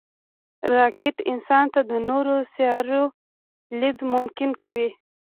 راکټ انسان ته د نورو سیارو لید ممکن کوي